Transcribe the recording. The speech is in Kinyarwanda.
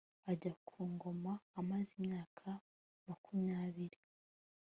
ajya ku ngoma amaze imyaka makumyabiri